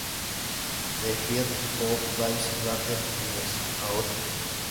He died four days later in a hospital.